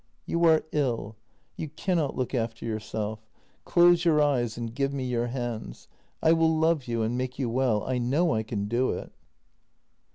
"You are ill; you cannot look after yourself. Close your eyes and give me your hands; I will love you and make you well — I know I can do it."